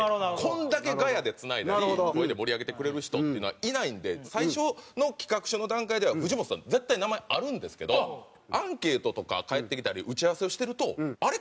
これだけガヤでつないだり声で盛り上げてくれる人っていうのはいないんで最初の企画書の段階では藤本さん絶対名前あるんですけどアンケートとか返ってきたり打ち合わせをしてるとあれ？